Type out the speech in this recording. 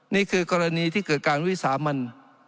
นี่คือกรณีที่เกิดการวิสามัน